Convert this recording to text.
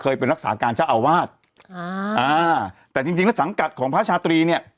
ไปรักษาการเจ้าอาวาสอ่าอ่าแต่จริงจริงแล้วสังกัดของพระชาตรีเนี่ย